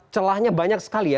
celahnya banyak sekali ya